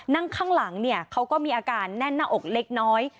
นั่งข้างหลังเนี่ยเขาก็มีอาการแน่นหน้าอกเล็กน้อย